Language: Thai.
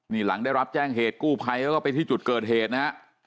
นี่หลังได้รับแจ้งเหตุกู้ภัยเขาก็ไปที่จุดเกิดเหตุนะฮะ